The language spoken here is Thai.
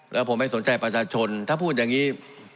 แล้วผมไม่สนใจประชาชนถ้าพูดอย่างนี้